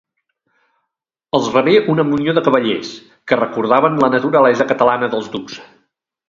Els rebé una munió de cavallers, que recordaven la naturalesa catalana dels ducs.